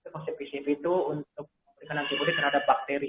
vaksin pcv itu untuk menekan antimodi terhadap bakteri